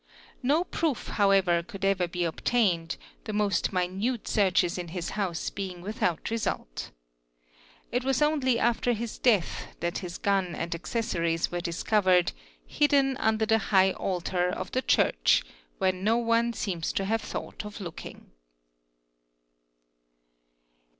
No proof however could ever be obtained, the most min t searches in his house being without result. It was only after his dea that his gun and accessories were discovered hidden under the high alta of the church, where no one seems to have thought of looking.